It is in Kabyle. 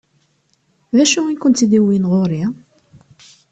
D acu i kent-id-iwwin ɣur-i?